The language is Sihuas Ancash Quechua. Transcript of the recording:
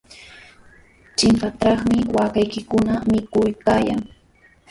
Chimpatrawmi waakaykikuna mikuykaayan.